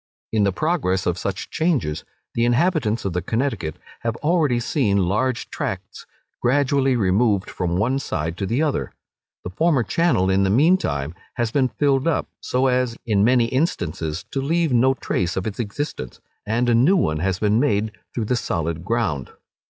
In the progress of such changes, the inhabitants of the Connecticut have already seen large tracts gradually removed from one side to the other. The former channel in the mean time has been filled up, so as, in many instances, to leave no trace of its existence, and a new one has been made through the solid ground.